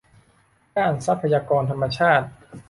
ด้านทรัพยากรธรรมชาติ